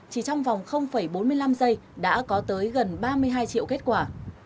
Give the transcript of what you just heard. chỉ trong vòng bốn mươi năm giây đã có tới gần ba mươi hai triệu kết quả